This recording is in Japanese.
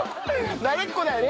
慣れっこだよね？